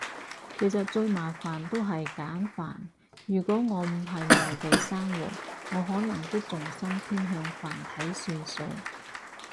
其實最麻煩都係簡繁，如果我唔係内地生活，我可能都重心偏向繁體算數